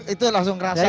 itu langsung ngerasa tuh ya